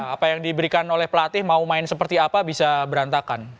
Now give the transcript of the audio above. apa yang diberikan oleh pelatih mau main seperti apa bisa berantakan